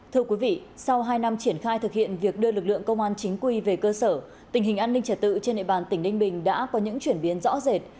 thưa quý vị sau hai năm triển khai thực hiện việc đưa lực lượng công an chính quy về cơ sở tình hình an ninh trật tự trên địa bàn tỉnh ninh bình đã có những chuyển biến rõ rệt